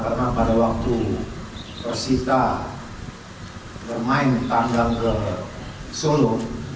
karena pada waktu persisolo bermain tanggal ke solo